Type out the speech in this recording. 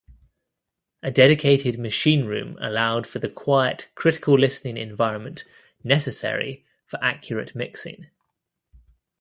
A dedicated machine room allowed for the quiet critical-listening environment necessary for accurate mixing.